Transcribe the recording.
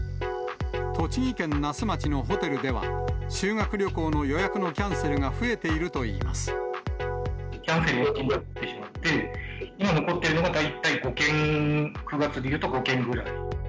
栃木県那須町のホテルでは、修学旅行の予約のキャンセルが増キャンセルになってしまって、今残っているのが大体５件、９月で言うと５件ぐらい。